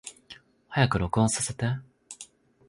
早く録音させて